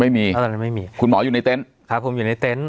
ไม่มีอะไรเลยไม่มีคุณหมออยู่ในเต็นต์ครับผมอยู่ในเต็นต์